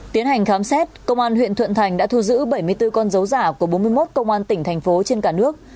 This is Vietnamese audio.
tiến hành khám xét công an huyện thuận thành đã thu giữ bảy mươi bốn con dấu giả của bốn mươi một công an tỉnh thành phố trên cả nước